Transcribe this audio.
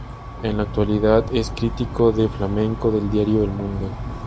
En la actualidad es critico de Flamenco del diario El Mundo.